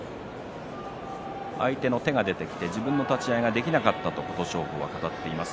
相手の手が出てきて自分の立ち合いができなかったと琴勝峰は語っています。